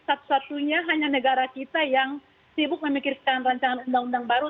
satu satunya hanya negara kita yang sibuk memikirkan rancangan undang undang baru